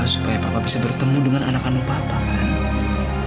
supaya papa bisa bertemu dengan anak kandung papa kan